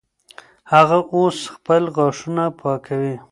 هغه اوس خپل غاښونه پاکوي.